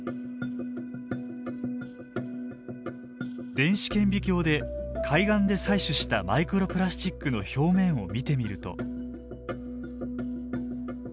電子顕微鏡で海岸で採取したマイクロプラスチックの表面を見てみると。